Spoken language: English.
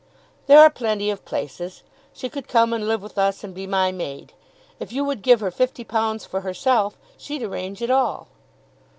"There are plenty of places. She could come and live with us, and be my maid. If you would give her £50 for herself, she'd arrange it all."